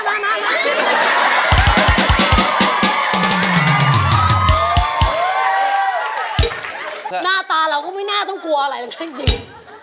หน้าตาเราก็ไม่น่าต้องกลัวอะไรเลยนะจริง